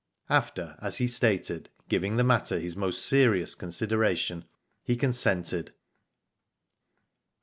After, as he stated, giving the matter his most serious consideration, he consented.